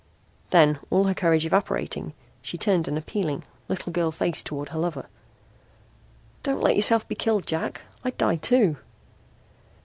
Then, all her courage evaporating, she turned an appealing, little girl face toward her lover. "Don't let yourself be killed, Jack. I'd die too."